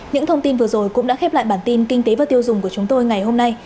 những thông tin vừa rồi cũng đã khép lại bản tin kinh tế và tiêu dùng của chúng tôi ngày hôm nay